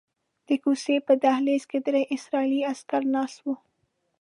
د کوڅې په دهلیز کې درې اسرائیلي عسکر ناست وو.